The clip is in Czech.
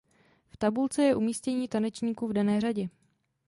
V tabulce je umístění tanečníků v dané řadě.